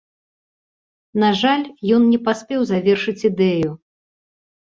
На жаль, ён не паспеў завершыць ідэю.